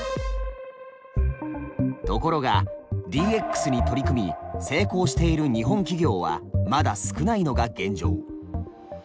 ところがＤＸに取り組み成功している日本企業はまだ少ないのが現状。